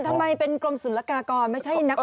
ทำไมเป็นกรมศึนรกากรไม่ใช่นักกรรม